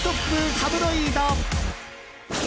タブロイド。